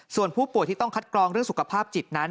ส่วนผู้ป่วยที่ต้องคัดกรองเรื่องสุขภาพจิตนั้น